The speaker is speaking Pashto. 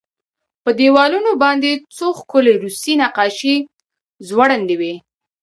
په دېوالونو باندې څو ښکلې روسي نقاشۍ ځوړندې وې